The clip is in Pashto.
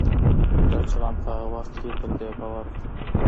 ډاکتران په هغه وخت کې پر دې باور وو